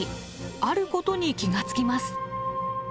あることに気が付きます。